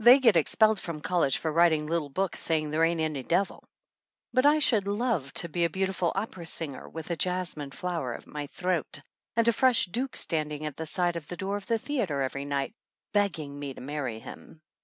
They get expelled from college for writing little books saying there ain't any devil. But I should love to be a beautiful opera singer, with a jasmine flower at my throat, and a fresh duke standing at the side door of the theater every night, begging me to marry him.